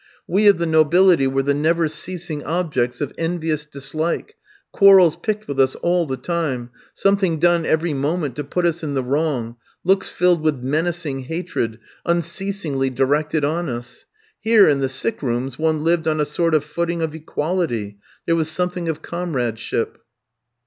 We of the nobility were the never ceasing objects of envious dislike, quarrels picked with us all the time, something done every moment to put us in the wrong, looks filled with menacing hatred unceasingly directed on us! Here, in the sick rooms, one lived on a sort of footing of equality, there was something of comradeship.